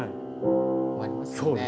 終わりますね。